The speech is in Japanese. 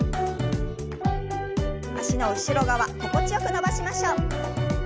脚の後ろ側心地よく伸ばしましょう。